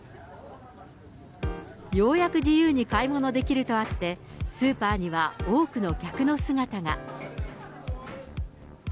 ようやく自由に買い物できるとあって、スーパーには多くの客の姿が。